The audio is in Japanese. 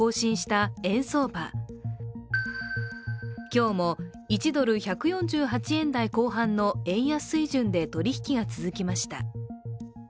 今日も、１ドル＝１４８円台後半の円安水準で取引が続きました。